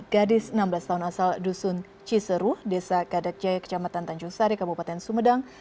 gadis enam belas tahun asal dusun ciseru desa kadak jaya kecamatan tanjung sari kabupaten sumedang